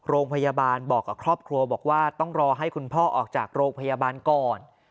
โรงพยาบาลบอกกับครอบครัวบอกว่าต้องรอให้คุณพ่อออกจากโรงพยาบาลก่อน